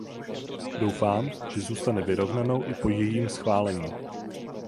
Doufám, že zůstane vyrovnanou i po jejím schválení.